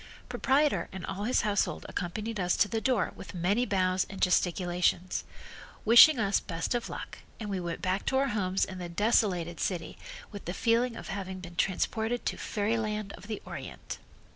Proprietor and all his household accompanied us to the door with many bows and gesticulations, wishing us best of luck, and we went back to our homes in the desolated city with the feeling of having been transported to Fairyland of the Orient.